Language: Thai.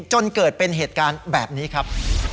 จนเกิดเป็นเหตุการณ์แบบนี้ครับ